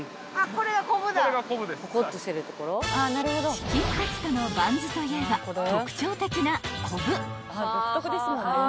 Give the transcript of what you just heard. ［チキンタツタのバンズといえば特徴的なコブ］